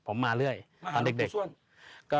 ผมมาเรื่อยตอนเด็ก